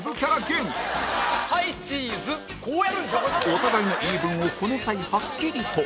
お互いの言い分をこの際はっきりと